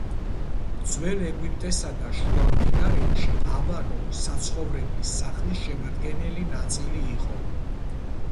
ძველ ეგვიპტესა და შუამდინარეთში აბანო საცხოვრებლი სახლის შემადგენელი ნაწილი იყო.